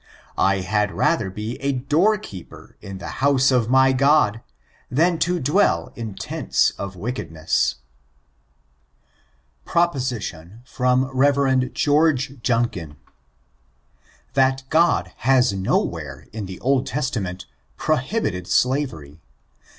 "I had rather be a door keeper in the house of my God, than to dwell in tents of wickedness." ON ABOunoHisM. 626 PROPOSITION. [Ftom Ber. George Junkin.] 7%at God has nowhere, in the Old Testament, PRontBiTBD slavery.